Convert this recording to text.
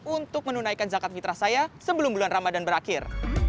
untuk menunaikan zakat fitrah saya sebelum bulan ramadan berakhir